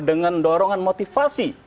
dengan dorongan motivasi